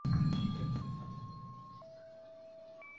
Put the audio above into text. তাকে প্যারা-ডিউটিতে বিয়ের হলে যেতে বলো।